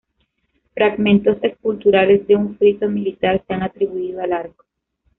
Fragmentos esculturales de un friso militar se han atribuido al arco.